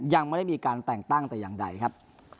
ยังไม่ได้มีการแต่งตั้งแต่อย่างใดครับ